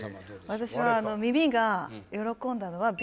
私は耳が喜んだのがＢ？